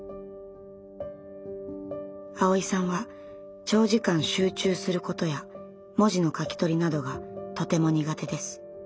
アオイさんは長時間集中することや文字の書き取りなどがとても苦手です。